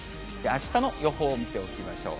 あしたの予報を見ておきましょう。